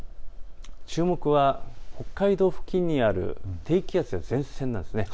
注目は北海道付近にある低気圧の前線です。